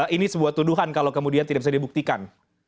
ini sebuah tuduhan kalau kemudian tidak bisa dibuktikan